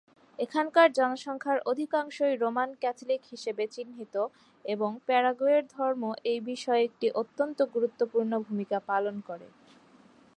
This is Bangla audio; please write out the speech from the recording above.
এখানকার জনসংখ্যার অধিকাংশই রোমান ক্যাথলিক হিসাবে চিহ্নিত এবং প্যারাগুয়ের ধর্ম এই বিষয়ে একটি অত্যন্ত গুরুত্বপূর্ণ ভূমিকা পালন করে।